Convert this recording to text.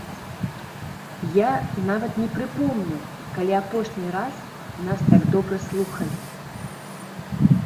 Я нават не прыпомню, калі апошні раз нас так добра слухалі.